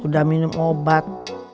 udah minum obat